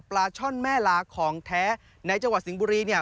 ปลาช่อนแม่ลาของแท้ในจังหวัดสิงบุรี